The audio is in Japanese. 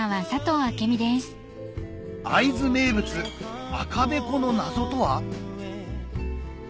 会津名物赤べこの謎とは？